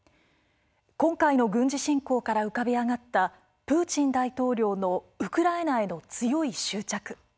今回の軍事侵攻から浮かび上がったプーチン大統領のウクライナへの強い執着。